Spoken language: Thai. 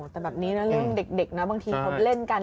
แต่แบบนี้นะเรื่องเด็กนะบางทีเขาเล่นกัน